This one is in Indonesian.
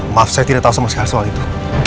maaf saya tidak tahu sama sekali soal itu